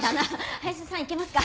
林田さんいけますか？